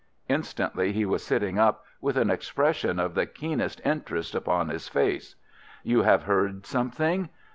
Instantly he was sitting up, with an expression of the keenest interest upon his face. "You have heard something?"